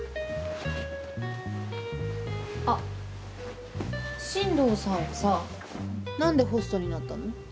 あっ神童さんはさ何でホストになったの？